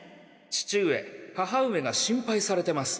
父上母上が心配されてます。